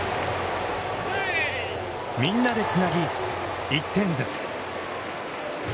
みんなでつなぎ、１点ずつ。